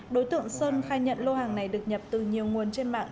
đối tượng sơn khai nhận lô hàng này được nhập từ nhiều nguồn trên mạng